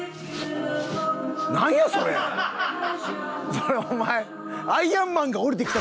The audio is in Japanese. それお前。